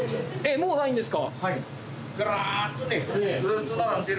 そうなんですか。